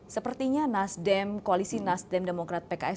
sepertinya nasdem koalisi nasdem demokrat pks